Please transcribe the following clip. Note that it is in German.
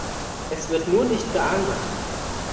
Es wird nur nicht geahndet.